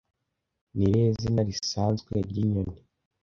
Ni irihe zina risanzwe ryinyoni